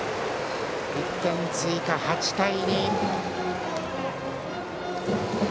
１点追加、８対２。